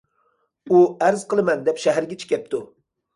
ئۇ« ئەرز قىلىمەن» دەپ شەھەرگىچە كەپتۇ.